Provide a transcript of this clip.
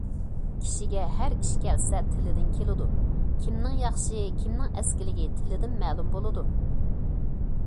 كىشىگە ھەر ئىش كەلسە، تىلىدىن كېلىدۇ، كىمنىڭ ياخشى، كىمنىڭ ئەسكىلىكى تىلىدىن مەلۇم بولىدۇ.